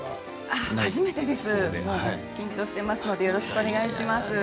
よろしくお願いします。